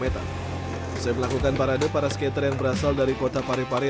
setelah melakukan parade para skater yang berasal dari kota parepare